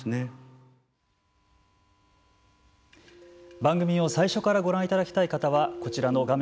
番組を最初からご覧いただきたい方はこちらの画面